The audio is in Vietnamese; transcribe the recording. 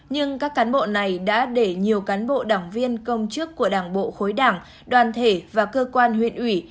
nhưng các cán bộ này đã để nhiều cán bộ đảng viên công chức của đảng bộ khối đảng đoàn thể và cơ quan huyện ủy